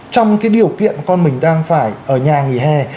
trong cái điều kiện con mình đang phải ở nhà nghỉ hè